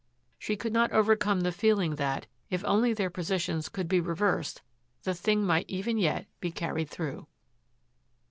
She could not overcome the feeling that, if only their positions could be reversed, the thing might even yet be carried through.